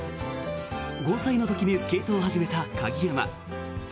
５歳の時にスケートを始めた鍵山。